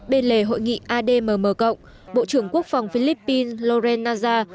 bên lề hội nghị admm mở rộng bộ trưởng quốc phòng philippines loren nazar